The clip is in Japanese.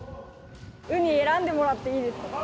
ウニ選んでもらっていいですか？